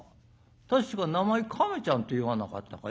確か名前亀ちゃんっていわなかったかい？」。